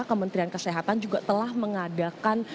kementerian kesehatan juga telah mengadakan